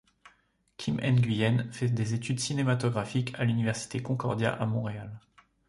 Kim Nguyen fait des études cinématographiques à l'université Concordia à Montréal.